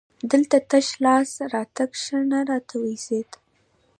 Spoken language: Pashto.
دلته تش لاس راتګ ښه نه راته وایسېد.